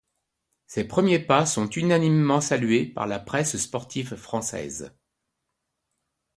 Ses premiers pas sont unanimement salués par la presse sportive française.